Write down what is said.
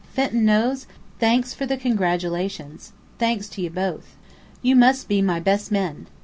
Fenton knows? Thanks for the congratulations. Thanks to you both. You must be my best men.